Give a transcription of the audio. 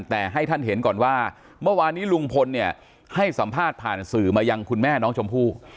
แต่ให้ท่านเห็นก่อนว่าเมื่อวานนี้ลุงพลเนี่ยให้สัมภาษณ์ผ่านสื่อมายังคุณแม่น้องชมพู่